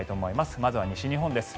まずは西日本です。